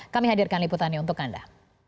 kami hadirkan liputannya untuk anda